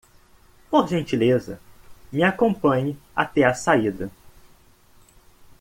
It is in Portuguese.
Por gentileza, me acompanhe até a saída.